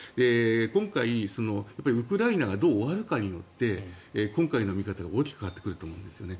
今回、ウクライナがどう終わるかによって今回の見方が大きく変わってくると思うんですね。